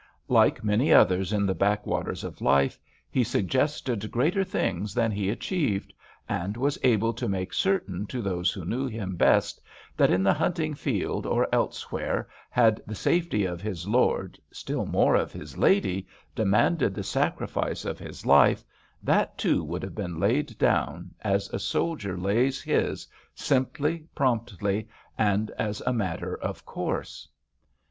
Like many others in the back waters of life, he suggested greater things than he achieved, and was able to make certain to those who knew him best that in the hunting field or elsewhere, had the safety of his lord, still more of his lady, demanded the sacrifice of his life, that, too, would have been laid down, as a soldier lays his, simply, promptly, and as a matter of course.